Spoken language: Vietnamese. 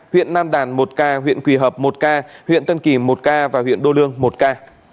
huyện nam đàn một ca huyện quỳ hợp một ca huyện tân kỳ một ca và huyện đô lương một ca